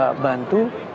kita coba bantu